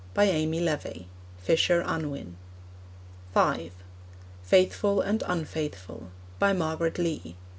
By Amy Levy. (Fisher Unwin.) (5) Faithful and Unfaithful. By Margaret Lee.